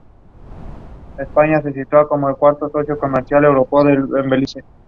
There are several endings in each book.